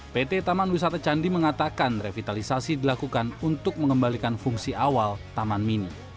pt taman wisata candi mengatakan revitalisasi dilakukan untuk mengembalikan fungsi awal taman mini